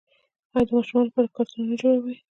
آیا د ماشومانو لپاره کارتونونه نه جوړوي؟